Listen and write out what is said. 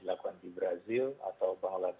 dilakukan di brazil atau banglades